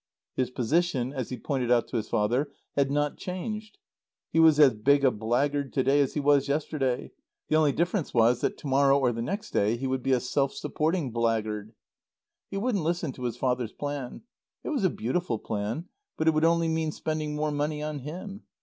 His position, as he pointed out to his father, had not changed. He was as big a blackguard to day as he was yesterday; the only difference was, that to morrow or the next day he would be a self supporting blackguard. He wouldn't listen to his father's plan. It was a beautiful plan, but it would only mean spending more money on him.